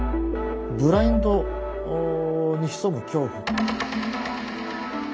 ブラインドに潜む恐怖。